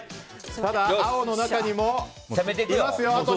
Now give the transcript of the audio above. ただ、青の中にもいますよ